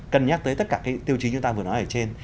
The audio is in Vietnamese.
cân nhắc tới tất cả cái tiêu chí chúng ta vừa nói ở trên